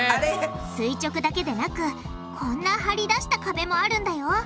垂直だけでなくこんな張り出した壁もあるんだよ。